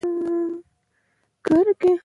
خاوره د افغانستان د ښکلي طبیعت یوه مهمه برخه ده.